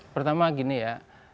pertama gini ya